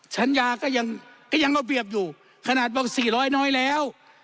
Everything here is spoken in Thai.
สัญญาก็ยังเอาเบียบอยู่ขนาดบอกสี่ร้อยน้อยแล้ว